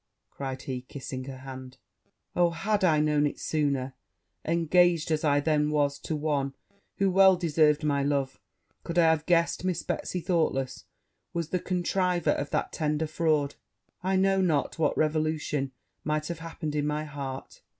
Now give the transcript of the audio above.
cried he, kissing her hand. 'O had I known it sooner, engaged as I then was to one who well deserved my love; could I have guessed Miss Betsy Thoughtless was the contriver of that tender fraud; I know not what revolution might have happened in my heart!